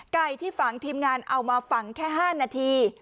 ไก่ที่ฝังทีมงานเอามาฝังแค่๕นาที